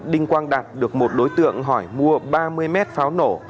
đinh quang đạt được một đối tượng hỏi mua ba mươi mét pháo nổ